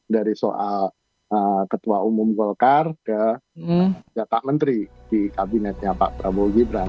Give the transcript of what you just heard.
dari soal ketua umum golkar ke jatah menteri di kabinetnya pak prabowo gibran